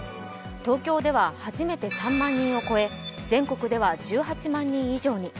東京では初めて３万人を超え全国では１８万人以上に。